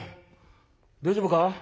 大丈夫か？